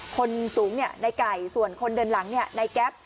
คนสูงเนี่ยนายไก่ส่วนคนเดินหลังเนี่ยนายแก๊ป